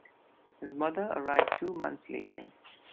His mother arrived two months later.